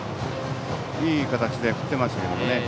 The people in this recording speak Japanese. いい形で振ってました。